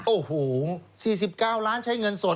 โอ้โห๔๙ล้านใช้เงินสด